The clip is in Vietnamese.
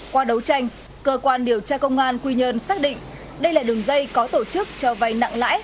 qua đấu tranh cơ quan điều tra công an quy nhơn xác định đây là đường dây có tổ chức cho vay nặng lãi